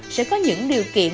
sẽ có những điều kiện